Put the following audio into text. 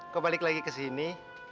kau balik lagi ke sini